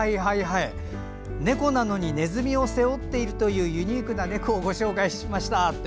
猫なのにネズミを背負っているユニークな猫をご紹介しましたって。